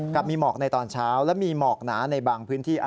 กับมีหมอกในตอนเช้าและมีหมอกหนาในบางพื้นที่